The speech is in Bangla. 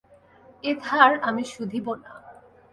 এ ধার আমি শুধিব না।